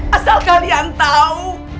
asal kalian tahu